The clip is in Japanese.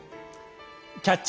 「キャッチ！